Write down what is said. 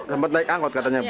sempat naik angkut katanya bu